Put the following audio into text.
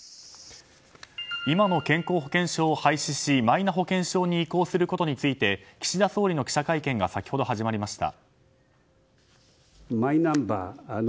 今の健康保険証を廃止しマイナ保険証に移行することについて岸田総理の記者会見が先ほど始まりました。